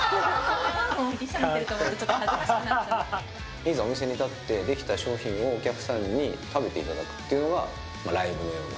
いざ、お店に立ってできた商品をお客さんに食べていただくというのがライブのような。